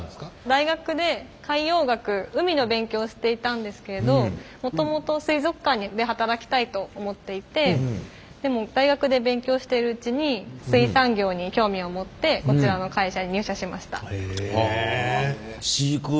大学で海洋学海の勉強をしていたんですけれどもともと水族館で働きたいと思っていてでも大学で勉強しているうちに水産業に興味を持ってこちらの会社に入社しました。